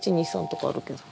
「１２３」とかあるけど。